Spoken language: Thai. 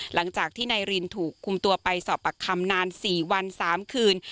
หลังจากที่นายรินถูกคุมตัวไปสอบปากคำนาน๔วัน๓คืน